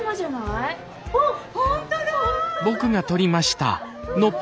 あっ本当だ！